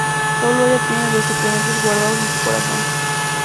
Solo ella los tiene secretamente guardados en su corazón.